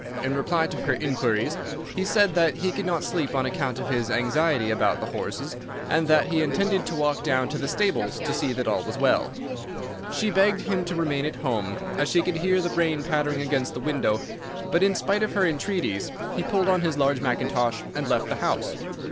In reply to her inquiries, he said that he could not sleep on account of his anxiety about the horses, and that he intended to walk down to the stables to see that all was well. She begged him to remain at home, as she could hear the rain pattering against the window, but in spite of her entreaties he pulled on his large mackintosh and left the house.